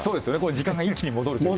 時間が一気に戻るっていうか。